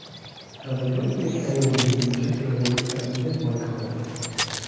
And I don't think anyone knew particularly that we did boycott it.